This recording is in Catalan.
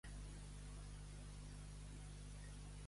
Amb quins centres no polítics se l'ha associada?